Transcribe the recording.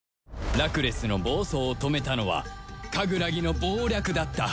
ラクレスの暴走を止めたのはカグラギの謀略だった